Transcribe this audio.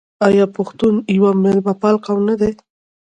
آیا پښتون یو میلمه پال قوم نه دی؟